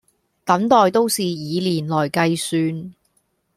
等待都是以年來計算